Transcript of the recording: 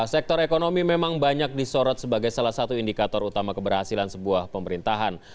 sektor ekonomi memang banyak disorot sebagai salah satu indikator utama keberhasilan sebuah pemerintahan